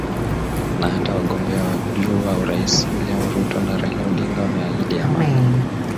Na hata wagombea wa juu wa urais William Ruto na Raila Odinga wameahidi amani